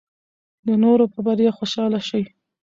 د نورو په بریا خوشحاله شئ.